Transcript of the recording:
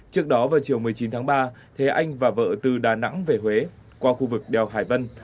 trước đó vào chiều một mươi chín tháng ba thế anh và vợ từ đà nẵng về huế qua khu vực đèo hải vân